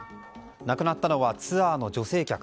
亡くなったのはツアーの女性客。